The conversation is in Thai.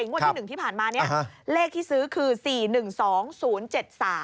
งวดที่๑ที่ผ่านมาเนี่ยเลขที่ซื้อคือ๔๑๒๐๗๓